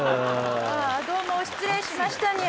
どうも失礼しましたニャ。